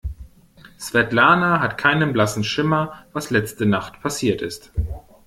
Svetlana hat keinen blassen Schimmer, was letzte Nacht passiert ist.